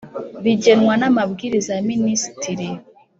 bigenwa n Amabwiriza ya Minisitiri